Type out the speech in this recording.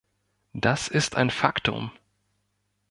Das ist ein Faktum!